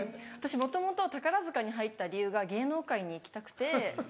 もともと宝塚に入った理由が芸能界に行きたくて。